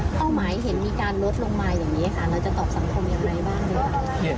หมายเห็นมีการลดลงมาอย่างนี้ค่ะเราจะตอบสังคมอย่างไรบ้างดีกว่า